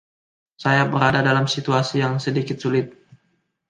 Saya berada dalam situasi yang sedikit sulit.